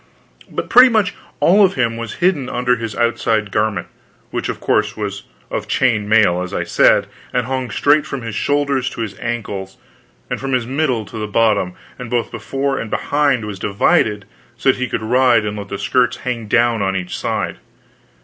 But pretty much all of him was hidden under his outside garment, which of course was of chain mail, as I said, and hung straight from his shoulders to his ankles; and from his middle to the bottom, both before and behind, was divided, so that he could ride and let the skirts hang down on each side.